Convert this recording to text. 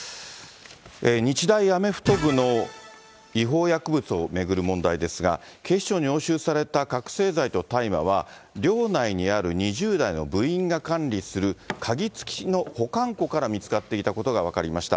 日大アメフト部の違法薬物を巡る問題ですが、警視庁に押収された覚醒剤と大麻は寮内にある２０代の部員が管理する鍵付きの保管庫から見つかっていたことが分かりました。